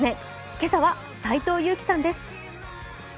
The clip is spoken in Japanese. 今朝は斎藤佑樹さんです。